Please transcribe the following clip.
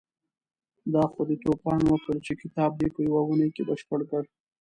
دا خو دې توپان وکړ چې کتاب دې په يوه اونۍ کې بشپړ کړ.